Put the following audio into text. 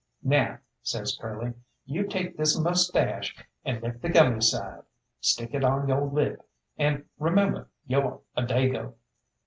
"Now," says Curly, "you take this moustache and lick the gummy side, stick it on yo' lip, and remember yo're a Dago.